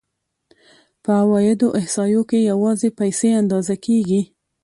په عوایدو احصایو کې یوازې پیسې اندازه کېږي